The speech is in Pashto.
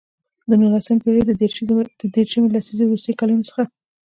د نولسمې پېړۍ د دیرشمې لسیزې وروستیو کلونو څخه.